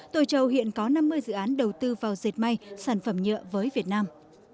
tô châu hiện có năm mươi dự án đầu tư vào dệt may sản phẩm nhựa với việt nam